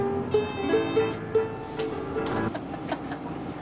ハハハハ。